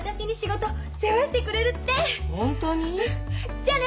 じゃあね！